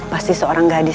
pasti seorang gadis ya